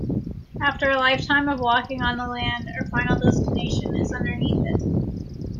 After a lifetime of walking on the land, our final destination is underneath it.